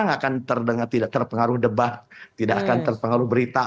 tidak akan terdengar tidak terpengaruh debat tidak akan terpengaruh berita